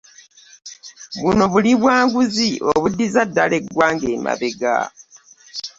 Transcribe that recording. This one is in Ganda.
Buno buli bwa nguzi obuddiza ddala eggwanga emabega